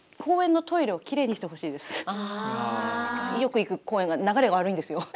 本当にあとよく行く公園が流れが悪いんですよ。